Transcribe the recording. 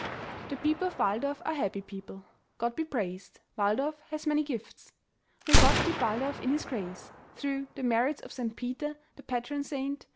The people of Walldorf are happy people; God be praised, Walldorf has many gifts ; May God keep Walldorf in his grace, Through the merits of St. Peter, the patron saint.